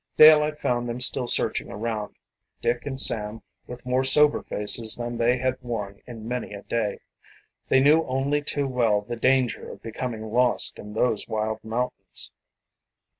Daylight found them still searching around, Dick and Sam with more sober faces than they had worn in many a day. They knew only too well the danger of becoming lost in those wild mountains.